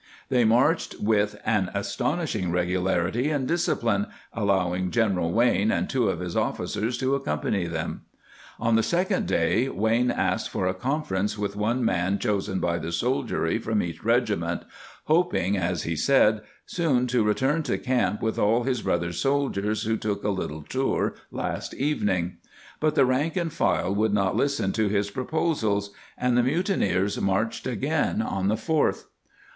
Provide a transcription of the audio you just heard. They marched with " an astonish ing regularity and discipline," allowing General Wayne and two of his officers to accompany them. On the second day Wayne asked for a conference with one man chosen by the soldiery from each regiment, hoping, as he said, " soon to return to camp with all his brother soldiers who took a little tour last evening ";^ but the rank and file would not listen to his proposals, and the 'Stint's Wayne, p. 252. [ 138 ] Officer and Private mutineers marched again on the 4th.